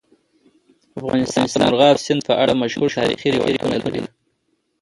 افغانستان د مورغاب سیند په اړه مشهور تاریخی روایتونه لري.